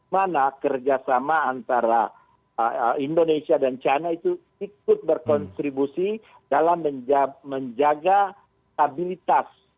mana kerjasama antara indonesia dan china itu ikut berkontribusi dalam menjaga stabilitas